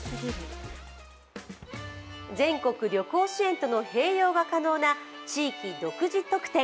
全国旅行支援との併用が可能な地域独自特典。